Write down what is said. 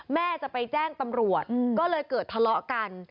แม่จะไปแจ้งตำรวจก็เลยเกิดทะเลาะกัน